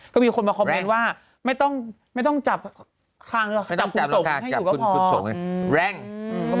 ก็มีคนมาคอมเม้นว่าไม่ต้องจับคางหรือว่าจับคุณส่งให้อยู่ก็พอ